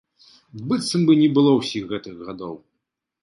Быццам бы не было ўсіх гэтых гадоў!